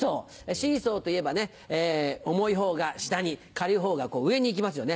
シーソーといえば重いほうが下に軽いほうが上に行きますよね。